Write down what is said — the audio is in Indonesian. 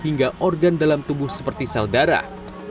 sehingga dia bisa memiliki banyak organ dalam tubuh seperti sel darah